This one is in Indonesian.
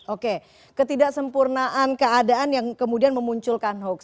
oke ketidaksempurnaan keadaan yang kemudian memunculkan hoax